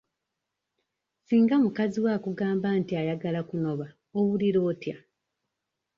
Singa mukazi wo akugamba nti ayagala kunoba owulira otya?